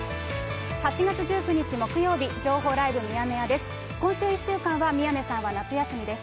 ８月１９日木曜日、情報ライブミヤネ屋です。